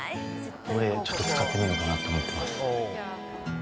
これ、ちょっと使ってみようかなと思ってます。